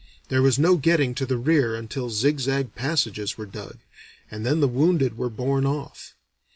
There was no getting to the rear until zig zag passages were dug, and then the wounded were borne off.